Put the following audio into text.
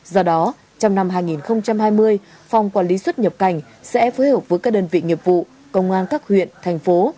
do đó trong năm hai nghìn hai mươi phòng quản lý xuất nhập cảnh sẽ phối hợp với các đơn vị nghiệp vụ công an các huyện thành phố